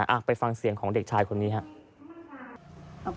อ่ะไปฟังเสียงของเด็กชายคนนี้ครับ